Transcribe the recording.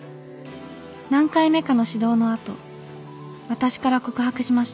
何回目かの指導のあと私から告白しました。